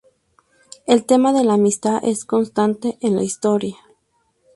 El tema de la amistad es constante en la historia.